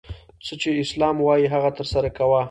څه چي اسلام وايي هغه ترسره کوه!